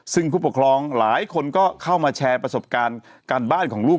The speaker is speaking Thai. ซึ่งผู้ปกครองหลายคนก็เข้ามาแชร์ประสบการณ์การบ้านของลูก